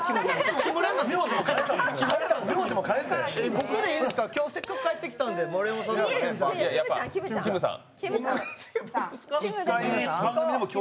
僕でいいんですか今日せっかく帰ってきたんでやっぱ、きむさん。